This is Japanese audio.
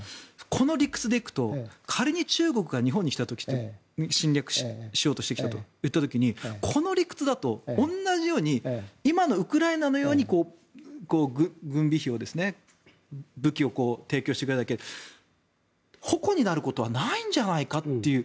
この理屈で行くと仮に中国が日本に来た時って侵略してこようといった時にこの理屈だと、同じように今のウクライナのように軍備費を武器を提供してくれるだけで矛になることはないんじゃないかっていう。